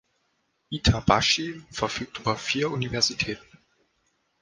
Itabashi verfügt über vier Universitäten.